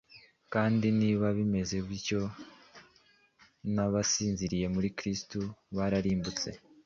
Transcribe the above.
kandi niba bimeze bityo, n’abasinziriye muri kristi bararimbutse.